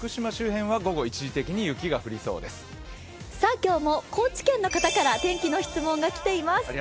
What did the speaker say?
今日も高知県の方から天気の質問が来ています。